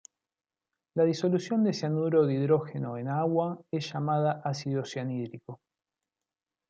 La disolución de cianuro de hidrógeno en agua es llamada ácido cianhídrico.